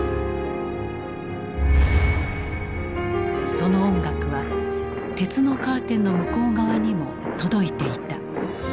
その音楽は鉄のカーテンの向こう側にも届いていた。